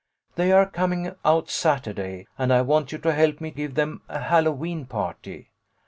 They are coming out Saturday, and I want you to help me give them a Hallowe'en party."